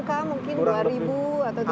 ada angka mungkin dua ribu atau tiga ribu